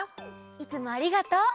いつもありがとう。